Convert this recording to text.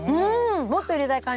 もっと入れたい感じ！